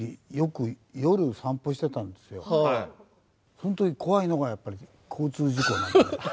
その時怖いのがやっぱり交通事故なので。